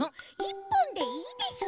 １ぽんでいいです。